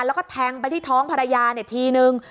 แล้วก็แทงไปที่ท้องภรรยาทีนึง